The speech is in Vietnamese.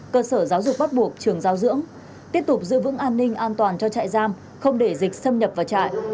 cơ sở giáo dục bắt buộc trường giáo dưỡng tiếp tục giữ vững an ninh an toàn cho trại giam không để dịch xâm nhập vào trại